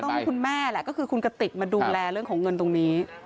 คุณแม่แหละก็คือคุณกติกมาดูแลเรื่องของเงินตรงนี้